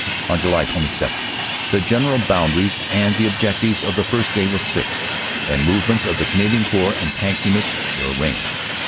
On July 27 the general boundaries and the objectives of the first day were fixed, and movements of the Canadian Corps and Tank Units were arranged.